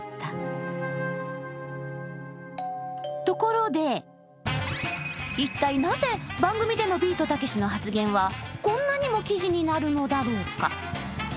ところで、一体なぜ、番組でのビートたけしの発言はこんなにも記事になるのだろうか。